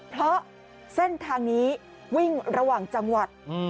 เพราะเส้นทางนี้วิ่งระหว่างจังหวัด